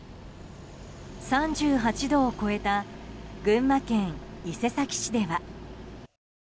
３８度を超えた群馬県伊勢崎市では。